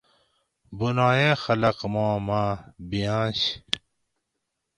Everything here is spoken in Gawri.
بُنائیں خلق ما ما بِئینش